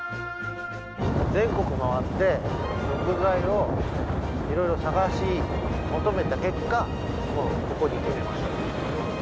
全国を回って、食材をいろいろ探し求めた結果、もうここに決めました。